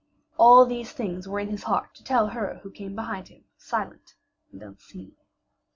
All these things were in his heart to tell her, to tell her who came behind him, silent and unseen.